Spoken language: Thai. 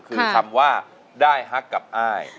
คือคำว่าได้ฮักกับอ้าย